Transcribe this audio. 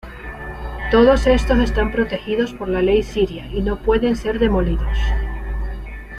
Todos estos están protegidos por la ley siria y no pueden ser demolidos.